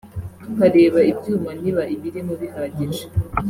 tukareba ibyuma niba ibirimo bihagije